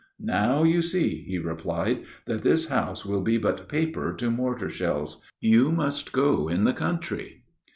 "Now you see," he replied, "that this house will be but paper to mortar shells. You must go in the country."